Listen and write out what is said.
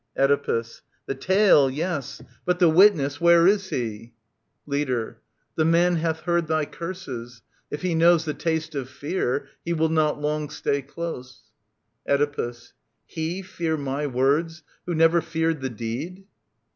Oedipus. The tale, yes : but the witness, where is he ? Leader. The man hath heard thy curses. If he knows The taste of fear, he will not long stay close. Oedipus. He fear my words, who never feared the deed